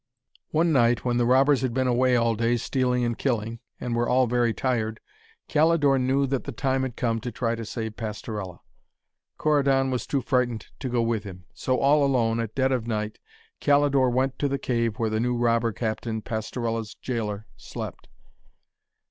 One night when the robbers had been away all day stealing and killing, and were all very tired, Calidore knew that the time had come to try to save Pastorella. Corydon was too frightened to go with him. So all alone, at dead of night, Calidore went to the cave where the new robber captain, Pastorella's gaoler, slept.